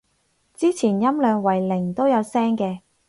之前音量為零都有聲嘅